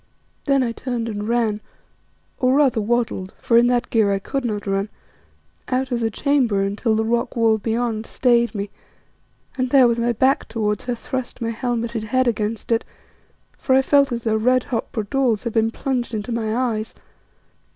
Then I turned and ran, or rather waddled, for in that gear I could not run, out of the chamber until the rock wall beyond stayed me, and there, with my back towards her, thrust my helmeted head against it, for I felt as though red hot bradawls had been plunged into my eyes.